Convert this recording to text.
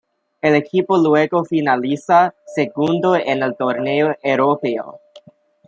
El equipo luego finaliza segundo en el torneo europeo.